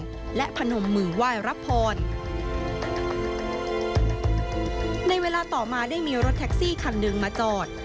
ทหารออกถึงรถแท็กซี่คันหนึ่งมาจอด